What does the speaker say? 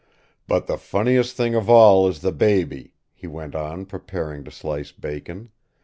"But the funniest thing of all is the baby," he went on, preparing to slice bacon.